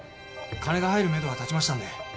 金が入るめどは立ちましたので。